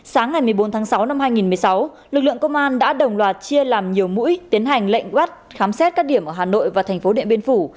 sáng ngày một mươi bốn tháng sáu năm hai nghìn một mươi sáu lực lượng công an đã đồng loạt chia làm nhiều mũi tiến hành lệnh bắt khám xét các điểm ở hà nội và thành phố điện biên phủ